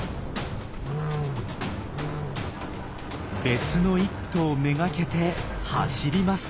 別の１頭目がけて走ります。